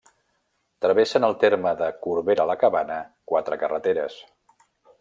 Travessen el terme de Corbera la Cabana quatre carreteres.